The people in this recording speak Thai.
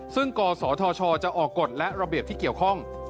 ซึ่งกศธชจะออกกฎและระเบียบที่เกี่ยวข้อง